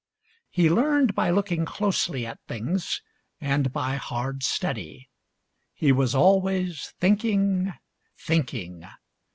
He learned by looking closely ^t things and by hard study. He was always think ing, thinking.